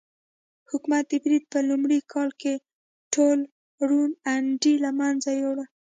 حکومت د برید په لومړي کال ټول روڼ اندي له منځه یووړل.